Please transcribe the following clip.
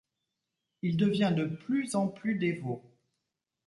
Il devient de plus en plus dévot.